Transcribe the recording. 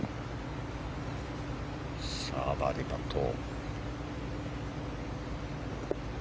バーディーパット。